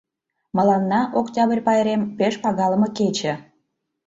Мыланна Октябрь пайрем — пеш пагалыме кече.